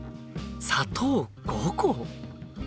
砂糖５個！